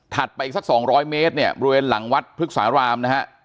ไปอีกสัก๒๐๐เมตรเนี่ยบริเวณหลังวัดพฤกษารามนะฮะ